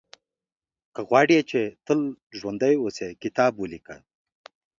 • که غواړې چې تل ژوندی اوسې، کتاب ولیکه.